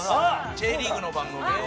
Ｊリーグの番組を。